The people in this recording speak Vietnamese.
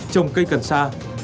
trồng cây cần sa